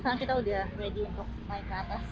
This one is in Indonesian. sekarang kita udah ready untuk naik ke atas